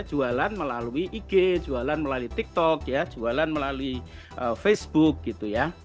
jualan melalui ig jualan melalui tiktok ya jualan melalui facebook gitu ya